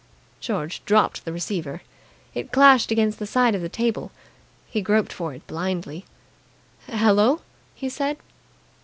George dropped the receiver. It clashed against the side of the table. He groped for it blindly. "Hello!" he said.